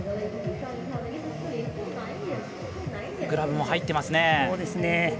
グラブも入ってますね。